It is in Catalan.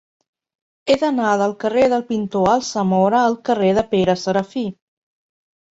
He d'anar del carrer del Pintor Alsamora al carrer de Pere Serafí.